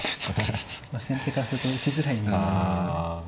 先手からすると打ちづらい銀なんですよね。